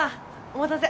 お待たせ。